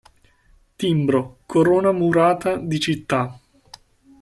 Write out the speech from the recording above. Timbro: corona murata di città.